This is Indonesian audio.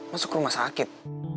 masuk rumah sakit